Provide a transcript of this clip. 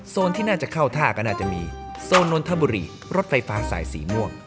ที่น่าจะเข้าท่าก็น่าจะมีโซนนทบุรีรถไฟฟ้าสายสีม่วง